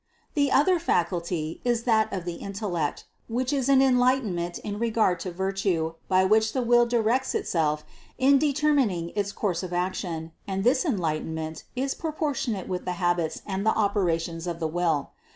The other faculty is that of the intellect, which is an enlightenment in regard to virtue by which the will directs itself in determining its course of action, and this enlightenment is proportionate with the habits and the operations of the will.